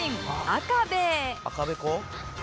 「赤べこ？」